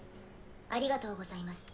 ありがとうございます